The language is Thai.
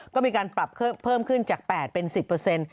ก็มีการปรับเพิ่มขึ้นจาก๘เป็น๑๐